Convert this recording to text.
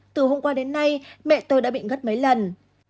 từ hôm qua đến nay mẹ tôi đã bị ngất mấy lần